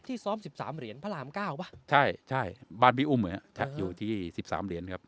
ให้เห็นพระราบก้าวใช่ใช่บ้านพี่อุ่มอยู่ที่๑๓เดือนครับ